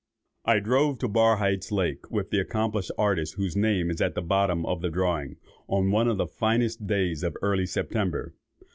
I drove to Barhydt's Lake, with the accomplished artist whose name is at the bottom of the drawing, on one of the finest days of early September.